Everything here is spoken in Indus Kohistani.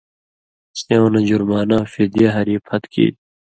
سېوں نہ جُرمانہ (فِدیہ) ہری پھت کیریۡ۔